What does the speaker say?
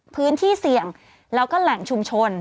พื้นที่เสี่ยงแล้วก็แหล่งชุมชน